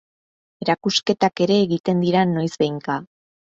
Erakusketak ere egiten dira noiz behinka.